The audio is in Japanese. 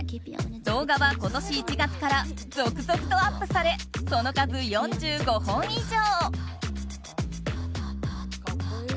動画は今年１月から続々とアップされその数、４５本以上。